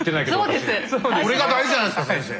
それが大事じゃないですか先生。